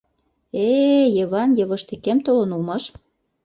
— Э-э, Йыван-йывыштикем толын улмаш.